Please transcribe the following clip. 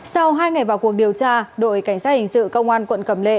sau hai ngày vào cuộc điều tra đội cảnh sát hình sự công an quận cầm lệ